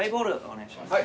お願いします。